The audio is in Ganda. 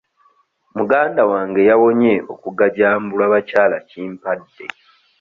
Muganda wange yawonye okugajambulwa bakyalakimpadde.